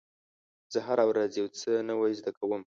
زه هره ورځ یو څه نوی زده کوم.